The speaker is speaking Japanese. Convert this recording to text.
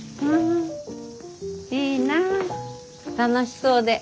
いいなぁ楽しそうで。